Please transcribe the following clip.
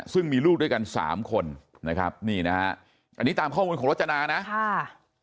ซึ่งมีลูกด้วยกันสามคนนะครับนี่นะฮะอันนี้ตามข้อมูลของรจนานะค่ะ